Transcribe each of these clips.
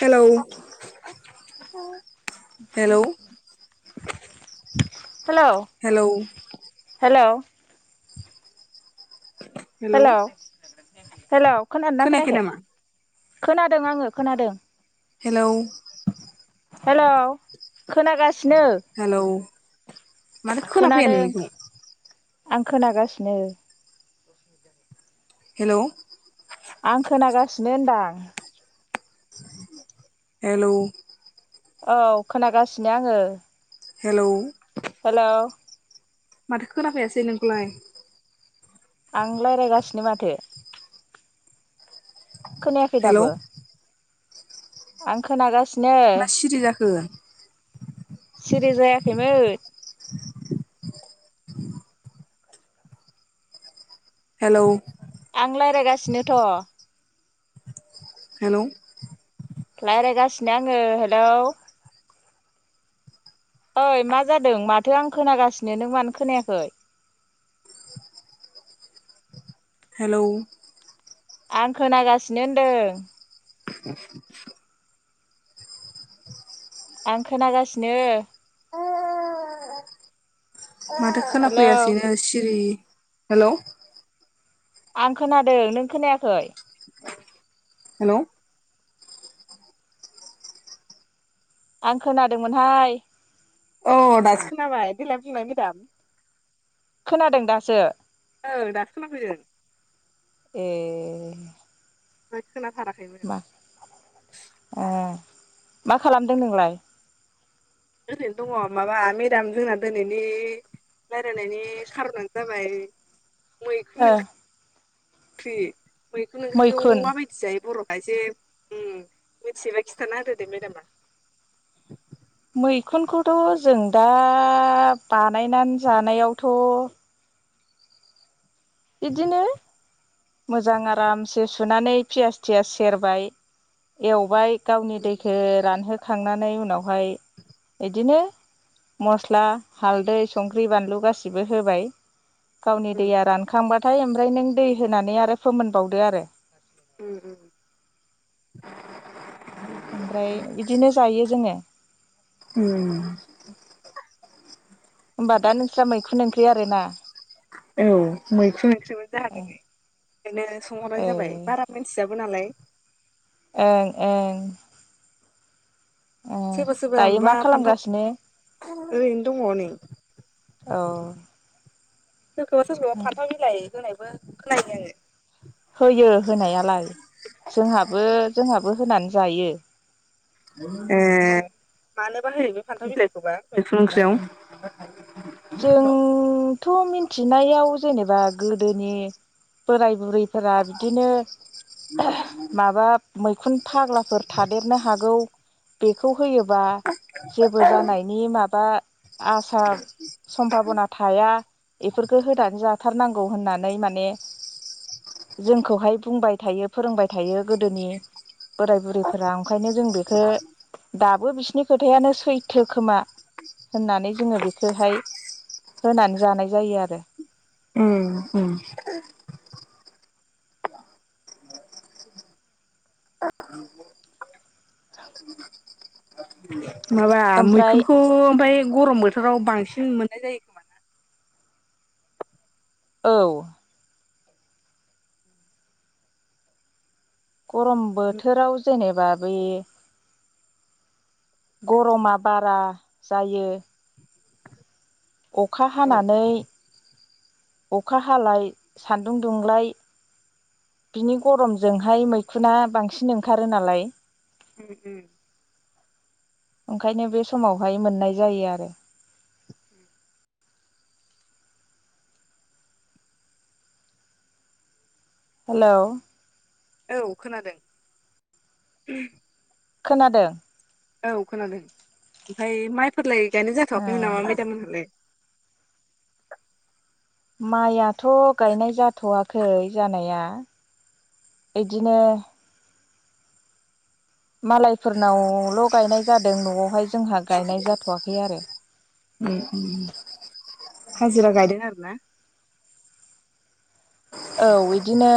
हेल' hello hello hello hello hello खोनादोंना खोनायाखै? खोनादों आङो खोनादों। हेलौ हेल' खोनागासिनो। हेलौ माथो खोना फैया खोनादों नोंनिखौ आं खोनागासिनो। हेल' आं खोनागासिनो होनदां हेल' औ खोनागासिनो आङो हेल' हेलौ माथो खोनाफैयासै नोंनिखौलाय? आं रायज्लायगासिनो माथो ।खोनायाखै हेलौ दाबो? आं खोनागासिनो। मा सिरि जाखो? सिरि जायाखैमोन। हेलौ आं रायज्लायगासिनोथ' हेल' रायज्लायगासिनो आङो हेलौ ओइ मा जादों माथो आं खोनागासिनो नों मानो खोनायाखै? [unintelligible] हेल'। आं खोनागासिनो होनदों। [unintelligible] आं खोनागासिनो। माथो हेलौ खोनाफैयासैनो सिरि हेल'। आं खोनादों। नों खोनायाखै? हेल'। आं खोनादोंमोनहाय। औ दासो खोनाबाय देलाय बुंलाय मेदाम। खोनादों दासो। ओ दासो खोनाफैदों। ए। ओमफ्राय खोनाथाराखैमोन। मा ओ मा खालामदों नोंलाय? ओरैनो दङ माबा मेदाम जोंना दिनैनि रायलायनायनि खार'नआनो जाबाय ओ। फ्रि मैखुन ओंख्रिखौ माबायदि जायो बर' आइजो उम मिथियोबा खिथाना होदो दे मेदामा। मैखुनखौथ' जों दा बानायनानै जानायावथ' बिदिनो मोजां आरामसे सुनानै पियास-थियास सेरबाय एवबाय गावनि दैखौ रानहो खांनानै उनावहाय बिदिनो मस्ला, हालदै, संख्रि, बानलु गासैबो होबाय। गावनि उम दैया रानखांबाथाय ओमफ्राय नों दै होनानै आरो फोमोनबावदो आरो। उम-उम। ओमफ्राय बिदिनो जायो जोङो। उम होमबा दा नोंस्रा मैखुन ओंख्रि आरो ना? औ मैखुन। [unintelligible] ओंखायनो सोंहरनाय ए जाबाय बारा मिथियाबो नालाय। ओं-ओं। सोरबा-सोरबा दायो माबा मा खालामगासिनो फान्थाव ओरैनो दङ नै। औ। सोरखौबा-सोरखौबा फान्थाव बिलाइ होनायबो खोनायो आङो। होयो होनायालाय जोंहाबो-जोंहाबो होनानै जायो। ए मानोबा होयो बे फान्थाव बिलाइखौबा मैखुन ओंख्रियाव? जों थ' मिथिनायाव जेनेबा गोदोनि बोराय-बुरै फोरा बिदिनो माबा मैखुन फाग्लाफोर थादेरनो हागौ बेखौ होयोबा जेबो जानायनि माबा आसा सम्भाबना थाया बेफोरखौ होनानै जाथारनांगौ होननानै माने जोंखौहाय बुंबाय थायो फोरोंबाय थायो गोदोनि बोराय बुरैफोरा ओंखायनो जों बेखौ दाबो बिसिनि खोथायानो सैथो खोमा होननानै जोङो बेखौहाय होनानै जानाय जायो आरो। उम उम। माबा ओमफ्राय मैखुनखौ ओमफ्राय गरम बोथोराव बांसिन मोननाय जायो खोमा ना? औ गरम बोथोराव जेनेबा बे गरमा बारा जायो अखा औ हानानै अखा हालाय सान्दुं दुंलाय बिनि गरमजोंहाय मैखुना बांसिन ओंखारो नालाय उम ओंखायनो बे समावहाय मोननाय जायो आरो उम हेल' औ खोनादों खोनादों? औ खोनादों ओमफ्राय माइफोरलाय गायनाय ओ जाथ'वाखैमोन नामा मेदाम मोनहालाय? माइआथ' गायनाय जाथ'वा खै जानाया इदिनो मालायफोरनावल' गायनाय जादों न'आवहाय जोंहा गायनाय जाथ'वाखै आरो हाजिरा गायदों आरो ना औ इदिनो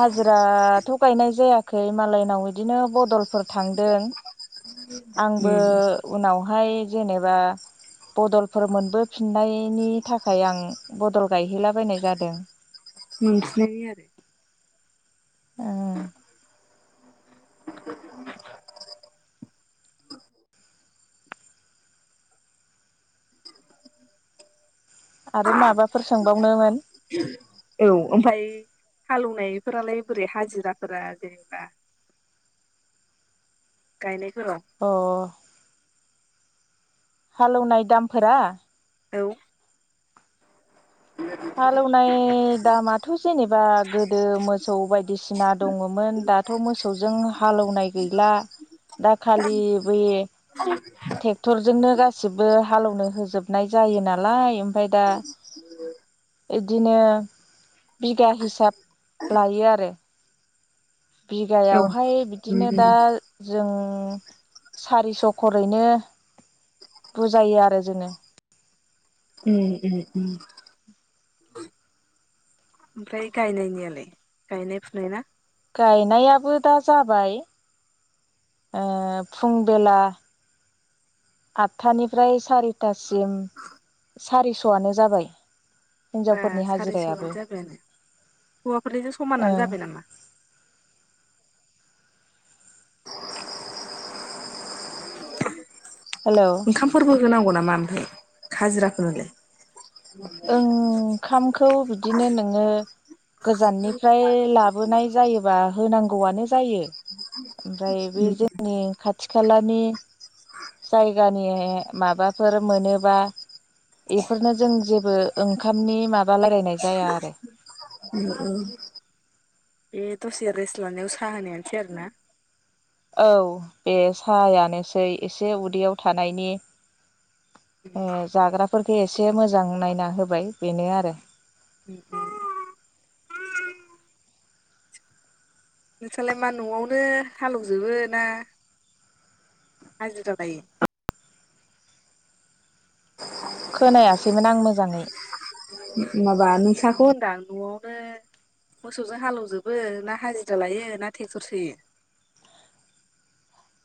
हाजिराथ' गायनाय जायाखै मालायनाव बिदिनो बदलफोर थांदों आंबो उनावहाय जेनेबा बदलफोर मोनबोफिननायनि थाखाय आं बदल गायहैलाबायनाय जादों मोनफिननायनि आरो ओं [inaudible] आरो माबाफोर सोंबावनोमोन औ ओमफ्राय हालौवनायफोरालाय बोरै हाजिराफोरा जेनेबा गायनाय अ हालेवनाय दामफोरा औ हालेवनाय दामाथ' जेनेबा गोदो मोसौ बायदिसिना दङमोन दाथ' मोसौजों हालेवनाय गैला दाखालि बे ट्रेक्टरजोंनो गासिबो हालेवनो होजोबनाय जायो नालाय [inaudible] बिदिनो बिगा हिसाब लायो आरो बिगायावहाय उम उम बिदिनो दा जों सारिस' खरैनो बुजायो आरो जोङो उम उम उम ओमफ्राय गायनायनियालाय गायनाय फुनाय ना गायनायाबो दा जाबाय ओ फुं बेला आदथानिफ्राय सारिथासिम सारिस'आनो जाबाय। बा हिनजावफोरनि सारिस'आनो हाजिरायाबो जाबायानो हौवाफोरनिजों ओ समानानो जाबाय नामा? [inaudible] हेलौ ओंखामफोरबो होनांगौ नामा ओमफ्राय हाजिराफोरनोलाय ओंखामखौ बिदिनो नोङो गोजाननिफ्राय लाबोनाय जायोबा होनांगौआनो जायो ओमफ्राय बे जोंनि खाथि खालानि जायगानि माबाफोर मोनोबा बेफोरनो जों जेबो ओंखामनि माबा रायज्लायनाय जाया आरो। औ बे दसे रेस्ट लानायाव साहा होनायानोसै आरोना। औ बे साहायानोसै एसे उदैयाव थानायनि ए जाग्राफोरखो एसे मोजां नायना होबाय बेनो आरो। उम [unintelligible] नोंसालाय मा न'आवनो हाल एवजोबो ना [unintelligible] खोनायासैमोन आं मोजाङै माबा नुसा बेखौ होनदां न'आवनो मोसौजों हालौजोबो ना हाजिरा लायो ना ट्रेक्टर सोयो। [inaudible]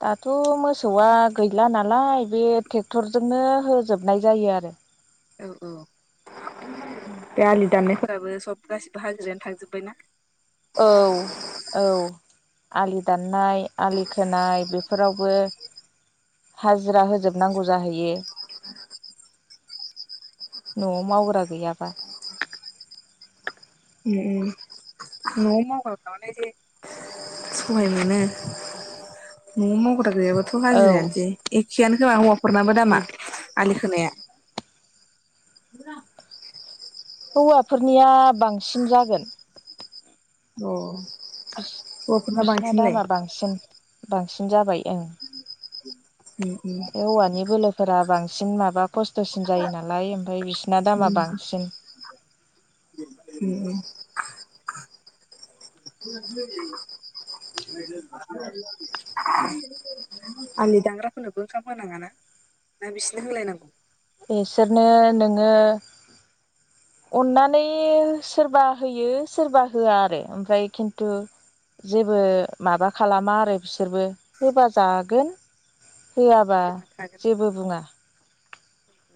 दाथ' मोसौआ गैला नालाय बे ट्रेक्टरजोंनो होजोबनाय जायो आरो। औ -औ बे आलि दाननायफो राबो सब गासिबो हाजिरायानो थांजोब्बाय ना। औ- औ आलि दाननाय आलि खोनाय बेफोरावबो हाजिरा होजोबनांगौ जाहैयो। न'आव मावग्रा गैयाबा उम- उम न'आव मावग्रा सहाय मोनो न'आव मावग्रा गैयाबोथ' औ हाजिरायानोसै एखेयानो खोमा हौवाफोरनाबो दामा बिदि आलि खोनाया। [unintelligible] हौवाफोरनिया बांसिन जागोन। औ बिसिना दामा बांसिन बांसिन जाबाय ओं। उम उम बे औवानि बोलोफोरा बांसिन माबा खस्थ'सिन जायो नालाय ओमफाय बिसो उम ए [unintelligible] आंनि दांग्राफोरनोबो ओंखाम होनाङा ना। ना बिसोरनो होलायनांगौ। एसोरनो नोङो अननानै सोरबा होयो सोरबा होआ आरो ओमफ्राय खिन्थु जेबो माबा खालामा आरो बिसोरबो होबा जागोन होआबा सोरबा थागोन जेबो बुङा।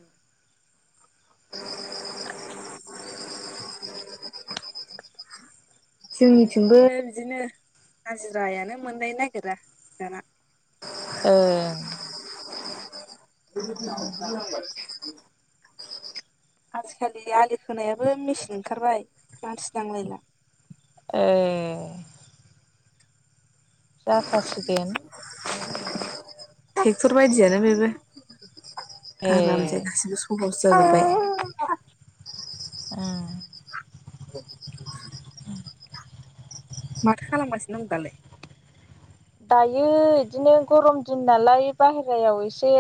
[unintelligible] जोंनिथिंबो बिदिनो हाजिरायानो मोननायनो नागिरा दाना। ओं [unintelligible] आजिखालि आलि खोनायाबो मेचिन ओंखारबाय मानसि नांलायला। ए दाखासिगोन। ट्रेक्टर बायदियानो बेबो ए आरामजो गासिबो सहस अ जाजोब्बाय। ओं [unintelligible] माथो खालामगासिनो दं दालाय। दायो इदिनो गरम दिन नालाय बाहेरायाव एसे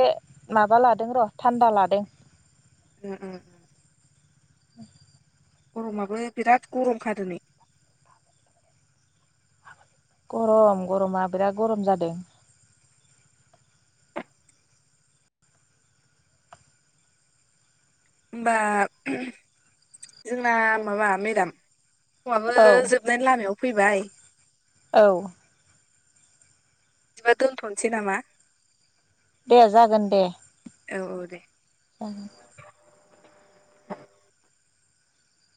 माबा लादों र' थान्दा लादो। उम- उम गरमाबो बिराद गरमखादिनै। गरम गरमा बिराद गरम जादो। होमबा जोंना माबा मेदाम फङआबो औ जोबनायनि लामायाव फैबाय औ बिदिबा दोन्थ'नोसै नामा दे जागोन दे औ औ दे ज